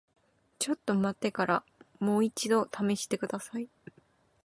ちょっと待ってからもう一度試してください。